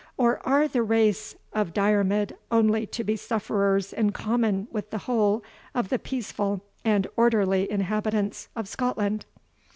or are the race of Diarmid only to be sufferers in common with the whole of the peaceful and orderly inhabitants of Scotland?"